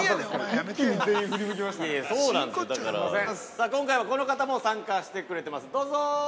◆さあ、今回はこの方も参加してくれてます、どうぞ。